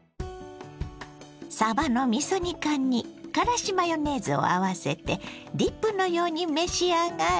さばのみそ煮缶にからしマヨネーズを合わせてディップのように召し上がれ。